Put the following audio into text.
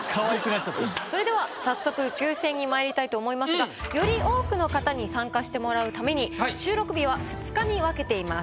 それでは早速抽選にまいりたいと思いますがより多くの方に参加してもらうために収録日は２日に分けています。